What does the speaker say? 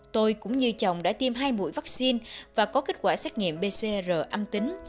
tôi cũng như chồng đã tiêm hai mũi vaccine và có kết quả xét nghiệm pcr âm tính